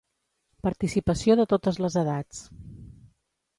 Participació de totes les edats.